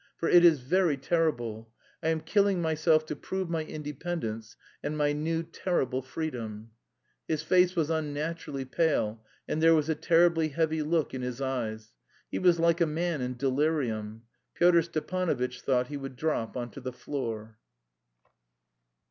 For it is very terrible. I am killing myself to prove my independence and my new terrible freedom." His face was unnaturally pale, and there was a terribly heavy look in his eyes. He was like a man in delirium. Pyotr Stepanovitch thought he would drop on to the floor.